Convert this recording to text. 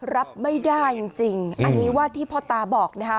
รับไม่ได้จริงอันนี้ว่าที่พ่อตาบอกนะคะ